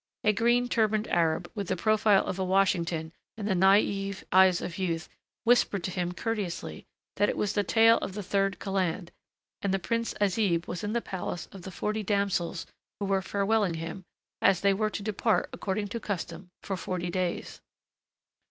A green turbaned Arab, with the profile of a Washington and the naïve eyes of youth, whispered to him courteously that it was the tale of the Third Kaland, and the Prince Azib was in the palace of the forty damsels who were farewelling him, as they were to depart, according to custom, for forty days.